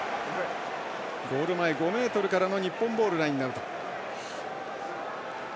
ゴール前５ｍからの日本ボール、ラインアウト。